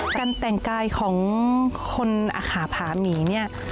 การแต่งกายของคนอาขาผาหมีเนี่ย